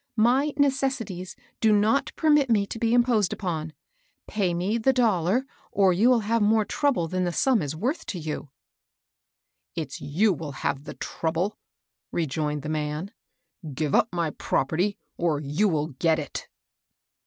^^ My neces sities do not permit me to be imposed upon. Pay me the dollar, or you will have more trouble than the sum is worth to you." *' It's you will have the trouble," rejoined the man. " Give up my property, or you will get it."